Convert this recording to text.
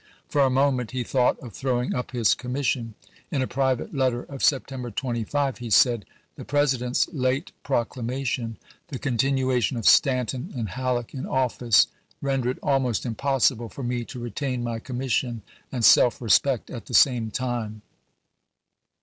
For a moment he thought of throwing up his commission. In a private letter 1862. of September 25 he said :" The President's late Proclamation, the continuation of Stanton and Halleck in office, render it almost impossible for me lan'sown to retain my commission and self respect at the story," ,.„ p. 615. same time."